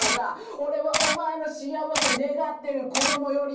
「俺はお前の幸せ願ってる子供よりも旦那よりも」